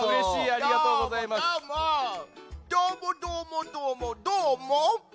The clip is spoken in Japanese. どーもどーもどーもどーも！